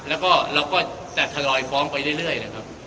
แล้วก็เราก็จะทยอยฟ้องไปเรื่อยนะครับ